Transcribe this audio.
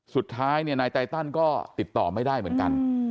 สุดท้ายนายไตตันก็ติดต่อไม่ได้เหมือนกัน